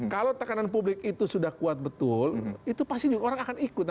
kalau tekanan publik itu sudah kuat betul itu pasti orang akan ikut